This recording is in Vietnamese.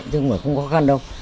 chứ không phải không khó khăn đâu